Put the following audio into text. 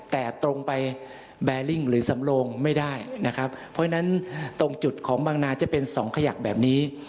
แต่ตรงไปแบริ่งหรือสำโลงไม่ได้นะครับเพราะฉะนั้นตรงจุดของบางนาจะเป็นสองขยักแบบนี้